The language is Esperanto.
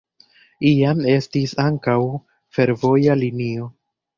Iam estis ankaŭ fervoja linio.